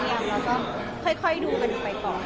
และเราก็ค่อยที่ดูกันไปก่อน